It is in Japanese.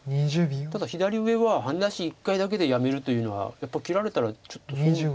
ただ左上はハネ出し１回だけでやめるというのはやっぱり切られたらちょっと。